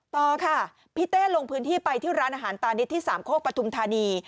ต่อค่ะพี่เต้ลงพื้นที่ไปที่ร้านอาหารตานิดที่สามโคกปฐุมธานี